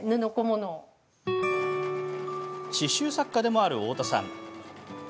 刺しゅう作家でもある太田さん。